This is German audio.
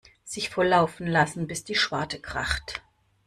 Sich volllaufen lassen bis die Schwarte kracht.